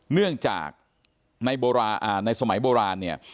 เนื่องจากในสมัยโบราณเนี่ย